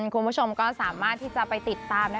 คุณผู้ชมก็สามารถที่จะไปติดตาม